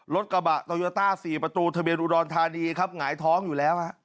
รถกระบะโตโยต้า๔ประตูทะเบียนอุดรธานีครับหงายท้องอยู่แล้วฮะ